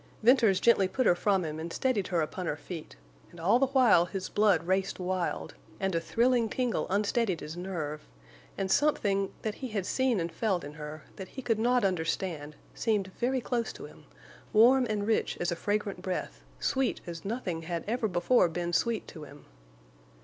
Venters gently put her from him and steadied her upon her feet; and all the while his blood raced wild, and a thrilling tingle unsteadied his nerve, and something—that he had seen and felt in her—that he could not understand—seemed very close to him, warm and rich as a fragrant breath, sweet as nothing had ever before been sweet to him.